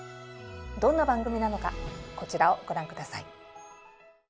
どんな番組なのかこちらをご覧下さい。